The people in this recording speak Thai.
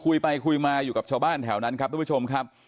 คุยไปคุยมาอยู่กับชาวบ้านแถวนั้นครับทุกผู้ชมครับ